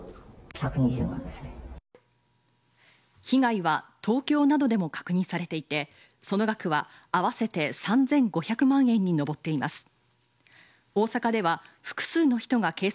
被害は東京などでも確認されていてその額は、合わせて３５００万円に上っています。